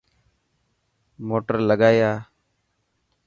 موٽر لگائي اي.